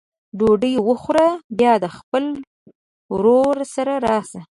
ډوډۍ وخوره بیا خپل د ورور سره راسه!